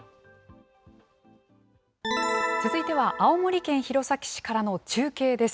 続いては、青森県弘前市からの中継です。